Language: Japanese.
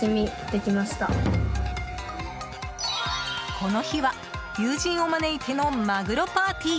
この日は、友人を招いてのマグロパーティー。